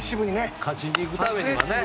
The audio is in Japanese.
勝ちに行くためにはね。